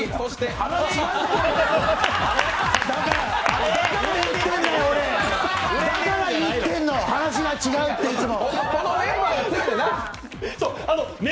話が違うって、いつも！